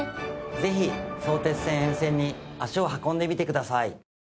ぜひ相鉄線沿線に足を運んでみてください。